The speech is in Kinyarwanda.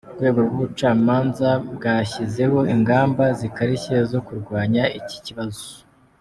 Urwego rw’ubucamanza bwashyizeho ingamba zikarishye zo kurwanya iki kibazo.